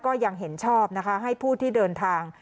ก็ยังเห็นชอบนะคะให้ผู้ที่เดินทาง